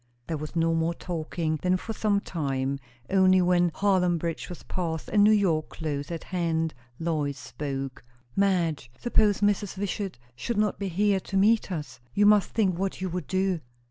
There was no more talking then for some time. Only when Haarlem bridge was past and New York close at hand, Lois spoke. "Madge, suppose Mrs. Wishart should not be here to meet us? You must think what you would do."